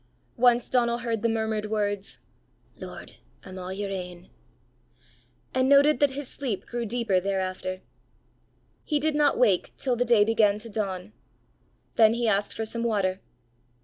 Once Donal heard the murmured words, "Lord, I'm a' yer ain;" and noted that his sleep grew deeper thereafter. He did not wake till the day began to dawn. Then he asked for some water.